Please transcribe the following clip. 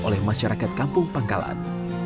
oleh masyarakat kampung pangkalan